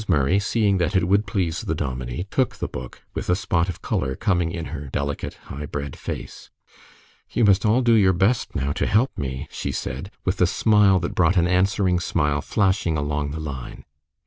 Murray, seeing that it would please the dominie, took the book, with a spot of color coming in her delicate, high bred face. "You must all do your best now, to help me," she said, with a smile that brought an answering smile flashing along the line.